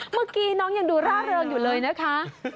เมื่อกี้น้องยังดูร่าเริงอยู่เลยนะคะ